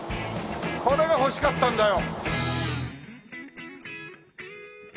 これが欲しかったんだよ！